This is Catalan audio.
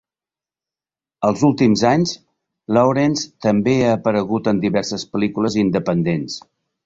Els últims anys, Lawrence també ha aparegut en diverses pel·lícules independents.